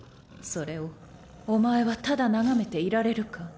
それをお前はただ眺めていられるか？